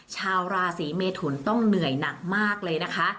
ชาวราศีเมทุนต้องเหนื่อยหนักมากเลยนะคะ